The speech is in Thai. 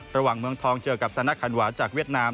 ระหว่างเมืองทองเจอกับสนักคันหวาจากเวียดนาม